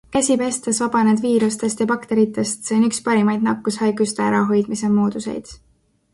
Käsi pestes vabaned viirustest ja bakteritest, see o üks parimaid nakkushaiguste ärahoidmise mooduseid.